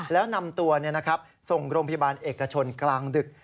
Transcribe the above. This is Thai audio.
แล้วนำตัวส่งโรงพยาบาลเอกชนกลางดึก